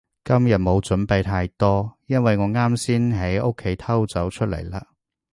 今日冇準備太多，因為我啱先喺屋企偷走出嚟